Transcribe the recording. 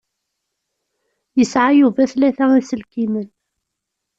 Yesεa Yuba tlata iselkimen.